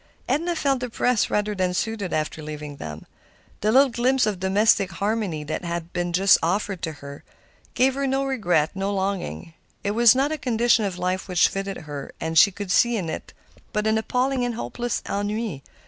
Edna felt depressed rather than soothed after leaving them. The little glimpse of domestic harmony which had been offered her, gave her no regret, no longing. It was not a condition of life which fitted her, and she could see in it but an appalling and hopeless ennui.